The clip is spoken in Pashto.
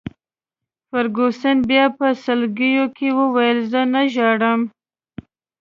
فرګوسن بیا په سلګیو کي وویل: زه نه ژاړم.